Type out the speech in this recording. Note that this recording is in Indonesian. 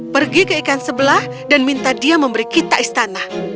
pergi ke ikan sebelah dan minta dia memberi kita istana